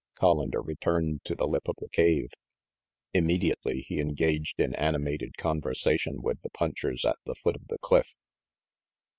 Collander returned to the lip of the cave. Imme diately he engaged in animated conversation with the punchers at the foot of the cliff.